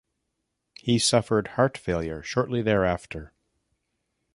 He suffered heart failure shortly thereafter.